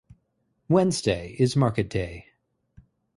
Wednesday is market day.